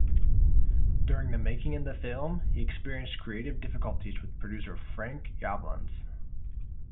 During the making of the film, he experienced creative difficulties with producer Frank Yablans.